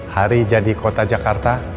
hari jadi kota jakarta